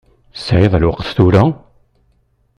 Tesεiḍ lweqt tura?